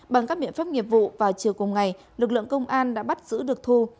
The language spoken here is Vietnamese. bằng các biện pháp nghiệp vụ vào chiều cùng ngày lực lượng công an đã bắt giữ được thu